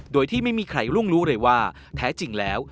โดยที่ไม่มีใครรุ่งรู้เลยว่าแท้จริงแล้ว